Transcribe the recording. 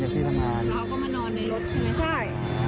แล้วเขาก็มานอนในรถใช่ไหมใช่